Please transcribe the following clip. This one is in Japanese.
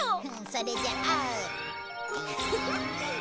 それじゃあ。